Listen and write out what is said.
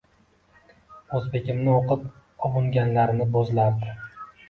O’zbegimni o’qib, ovunganlarini, bo’zlardi.